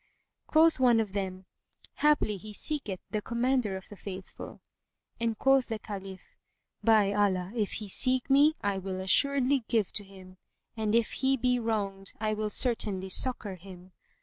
Quoth one of them, "Haply he seeketh the Commander of the Faithful;" and quoth the Caliph, "By Allah, if he seek me, I will assuredly give to him, and if he be wronged, I will certainly succour him.